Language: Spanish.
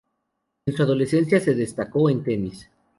En su adolescencia se destacó en tenis.